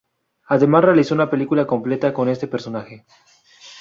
Además realizó una película completa con este personaje.